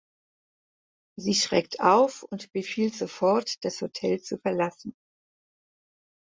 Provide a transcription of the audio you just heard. Sie schreckt auf und befiehlt sofort das Hotel zu verlassen.